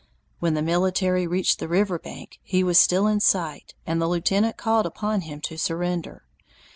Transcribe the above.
When the military reached the river bank he was still in sight, and the lieutenant called upon him to surrender.